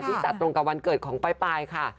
จัดตรงกับวันเกิดของปลายค่ะ